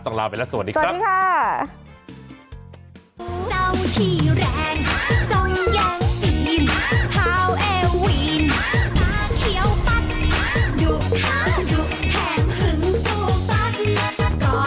ต้องลาไปแล้วสวัสดีครับสวัสดีค่ะสวัสดีค่ะ